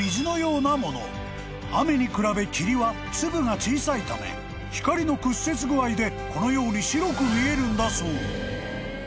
［雨に比べ霧は粒が小さいため光の屈折具合でこのように白く見えるんだそう］